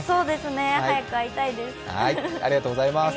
早く会いたいです。